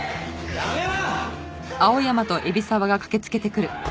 やめろ！